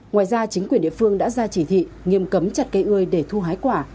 ngoài ra chính quyền địa phương đã ra chỉ thị nghiêm cấm chặt cây ươi để thu hái quả